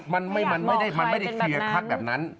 มันไม่เคลียร์ค่างแบบนั้น